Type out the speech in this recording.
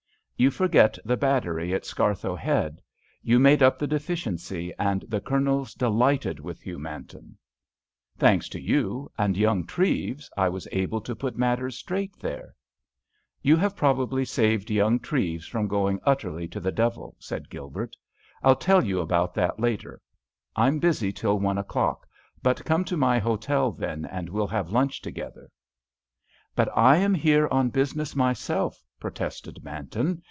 "You forget the battery at Scarthoe Head. You made up the deficiency, and the Colonel's delighted with you, Manton." "Thanks to you—and young Treves—I was able to put matters straight there." "You have probably saved young Treves from going utterly to the devil," said Gilbert. "I'll tell you about that later; I'm busy till one o'clock, but come to my hotel then and we'll have lunch together." "But I am here on business myself!" protested Manton.